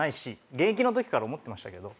現役のときから思ってましたけど。